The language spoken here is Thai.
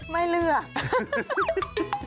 ไม่เลือก